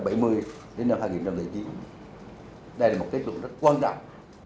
đây là một kết thúc rất quan trọng